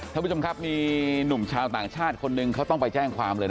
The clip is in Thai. ท่านผู้ชมครับมีหนุ่มชาวต่างชาติคนหนึ่งเขาต้องไปแจ้งความเลยนะ